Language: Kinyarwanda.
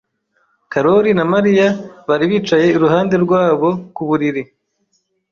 Karoli na Mariya bari bicaye iruhande rwabo ku buriri.